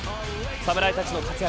侍たちの活躍。